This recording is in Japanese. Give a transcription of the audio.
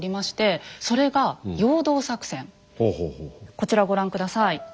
こちらご覧下さい。